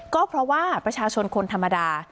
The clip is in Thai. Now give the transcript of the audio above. ก็เพราะว่าประชาชนคนธรรมดา